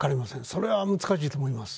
それは難しいと思います。